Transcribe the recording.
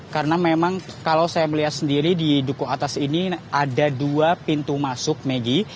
karena memang kalau saya melihat sendiri di duku atas ini ada dua pintu masuk megi